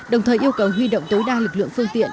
đồng thời yêu cầu huy động tối đa lực lượng phương tiện